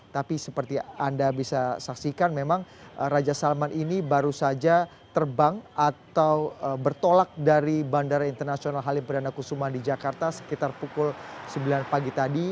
tapi seperti anda bisa saksikan memang raja salman ini baru saja terbang atau bertolak dari bandara internasional halim perdana kusuma di jakarta sekitar pukul sembilan pagi tadi